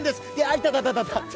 いたたたた。